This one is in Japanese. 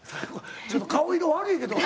ちょっと顔色悪いけど。